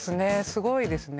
すごいですね